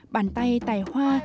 bàn tay tài hoa